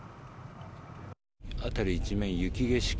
辺り一面、雪景色。